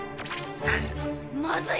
まずい！